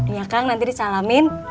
iya kang nanti disalamin